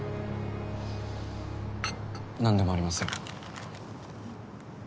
何でもありません。